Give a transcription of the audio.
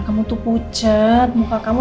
kamu tuh pujat muka kamu